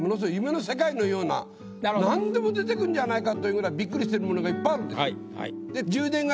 何でも出てくるんじゃないかというぐらいびっくりしてるものがいっぱいあるんです。